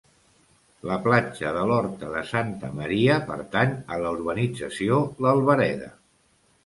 La platja de l’Horta de Santa Maria pertany a la urbanització l’Albereda.